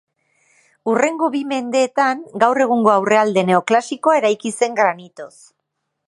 Hurrengo bi mendeetan gaur egungo aurrealde neoklasikoa eraiki zen granitoz.